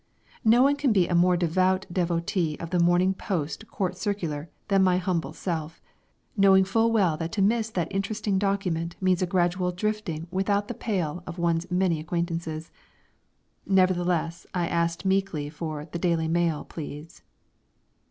No one can be a more devout devotee of the Morning Post Court Circular than my humble self, knowing full well that to miss that interesting document means a gradual drifting without the pale of one's many acquaintances. Nevertheless, I asked meekly for "The Daily Mail, please!"